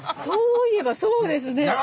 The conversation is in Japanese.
「そういえばそうですね」